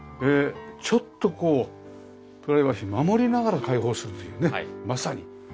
ちょっとこうプライバシーを守りながら開放するというねまさに。